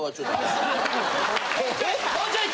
もうちょい！